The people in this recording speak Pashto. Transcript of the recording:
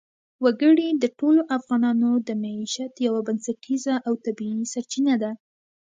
وګړي د ټولو افغانانو د معیشت یوه بنسټیزه او طبیعي سرچینه ده.